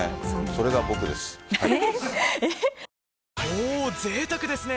おぉぜいたくですね。